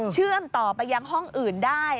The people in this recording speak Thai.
เชื่อมต่อไปยังห้องอื่นได้